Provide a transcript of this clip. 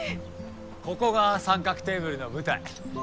ここが『三角テーブル』の舞台。